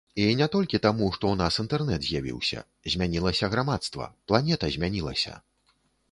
І не толькі таму, што ў нас інтэрнэт з'явіўся, змянілася грамадства, планета змянілася.